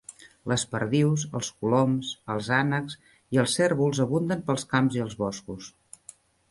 Les perdius, els coloms, els ànecs i els cérvols abunden pels camps i els boscos.